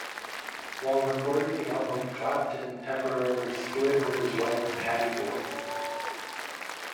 While recording the album Clapton temporarily split with his wife Pattie Boyd.